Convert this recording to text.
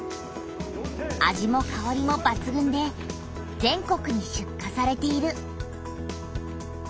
味もかおりもばつぐんで全国に出荷されている。